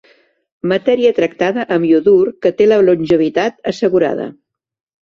Matèria tractada amb iodur que té la longevitat assegurada.